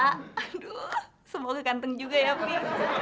aduh semoga ganteng juga ya bi